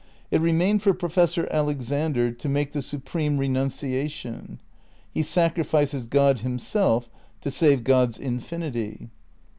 It remained for Professor Alexander to make the supreme renuncia tion. He sacrifices God himself to save God's infinity.